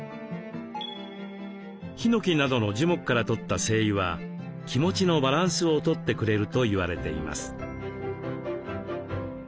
ヒノキなどの樹木から採った精油は気持ちのバランスをとってくれると言われています。